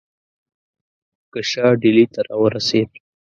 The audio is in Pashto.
که شاه ډهلي ته را ورسېد.